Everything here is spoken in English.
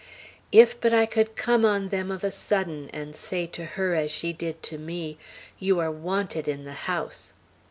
"If but I could come on them of a sudden, and say to her as she did to me, 'You are wanted in the house'!